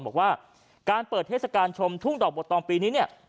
บอกว่าการเปิดเทศกาลชมทุ่งดอกบดตองปีนี้เนี่ย